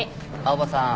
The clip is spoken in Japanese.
青羽さん